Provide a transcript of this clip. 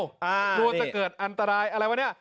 กลัวจะเกิดอันตรายอะไรวะเนี่ย